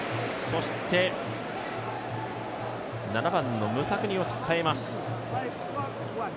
そして７番のムサクニを代えます。